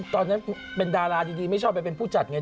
ตอนนั้นเป็นดาราดีไม่ชอบไปเป็นผู้จัดไง